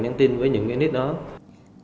rồi gửi cho nguyễn tam lợi